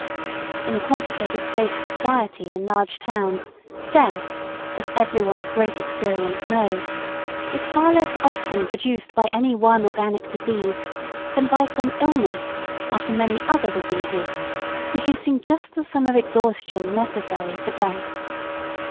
In a complicated state of society in large towns, death, as every one of great experience knows, is far less often produced by any one organic disease than by some illness, after many other diseases, producing just the sum of exhaustion necessary for death.